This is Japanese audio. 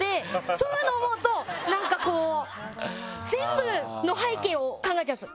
そういうのを思うと全部の背景を考えちゃうんです。